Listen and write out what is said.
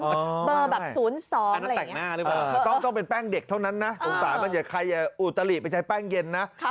เมื่อแบบ๐๒ต้องเป็นแป้งเด็กเท่านั้นน่ะตรงตามันจะใครอย่าอุธริไปใช้แป้งเย็นนะ